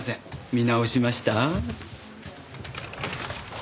見直しました？